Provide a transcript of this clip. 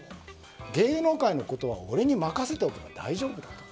芸能界のことは俺に任せておけば大丈夫だと。